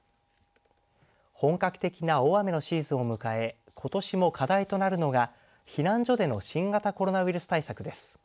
本格的な大雨のシーズンを迎えことしも課題となるのが避難所での新型コロナウイルス対策です。